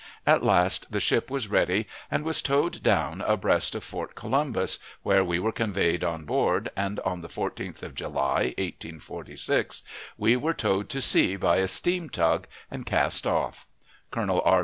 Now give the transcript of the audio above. At last the ship was ready, and was towed down abreast of Fort Columbus, where we were conveyed on board, and on the 14th of July, 1846, we were towed to sea by a steam tug, and cast off: Colonel R.